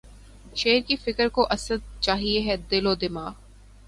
شعر کی فکر کو اسدؔ! چاہیے ہے دل و دماغ